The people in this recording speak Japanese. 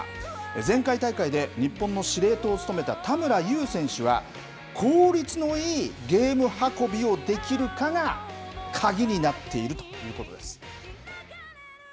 前回大会で日本の司令塔を務めた田村優選手は効率のいいゲーム運びをできるかが鍵になっているということです。